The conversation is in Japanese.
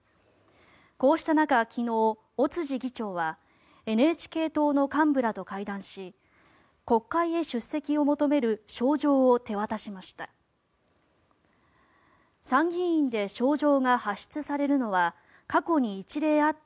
こうした中、昨日尾辻議長はＮＨＫ党の幹部らと会談し国会へ出席を求める招状を手渡しました。